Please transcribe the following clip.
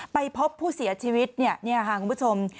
ไปพบผู้เสียชีวิตเนี่ยค่ะคุณผู้ชม